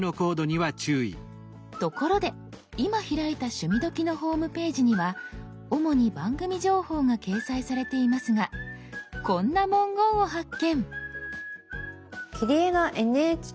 ところで今開いた「趣味どきっ！」のホームページには主に番組情報が掲載されていますがこんな文言を発見！